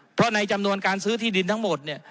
เพราะในจำนวนการซื้อที่ดินทั้งหมดเนี่ย